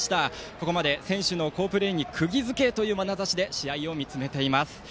ここまで選手の好プレーにくぎ付けというまなざしで試合を見つめています。